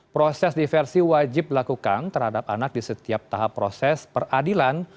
proses diversi wajib dilakukan terhadap anak di setiap tahap proses peradilan